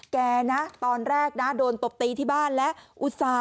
แกนะตอนแรกนะโดนตบตีที่บ้านและอุตส่าห